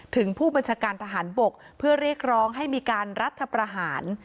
ถึงผู้บัญชาการทหารบกเพื่อเรียกร้องให้มีการรัฐประหาร